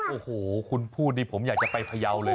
โอ้โหคุณพูดนี่ผมอยากจะไปพยาวเลย